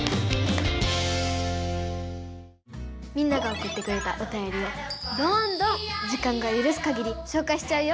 みんながおくってくれたおたよりをどんどん時間がゆるすかぎりしょうかいしちゃうよ。